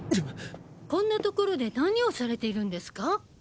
こんな所で何をされているんですか？